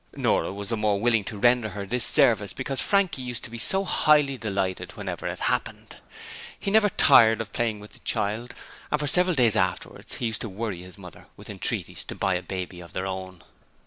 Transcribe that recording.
Nora was the more willing to render her this service because Frankie used to be so highly delighted whenever it happened. He never tired of playing with the child, and for several days afterwards he used to worry his mother with entreaties to buy a baby of their own.